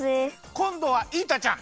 こんどはイータちゃん！